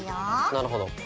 なるほど。